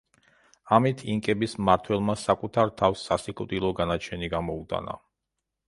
ამით, ინკების მმართველმა საკუთარ თავს სასიკვდილო განაჩენი გამოუტანა.